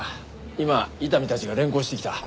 今伊丹たちが連行してきた。